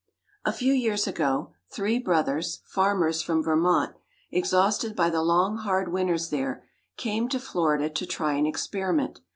A few years ago, three brothers, farmers, from Vermont, exhausted by the long, hard winters there, came to Florida to try an experiment.